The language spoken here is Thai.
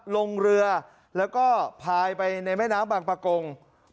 ลงเรือแล้วก็พายไปในแม่น้ำบางประกง